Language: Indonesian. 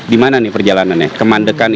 dimana nih perjalanannya kemandekan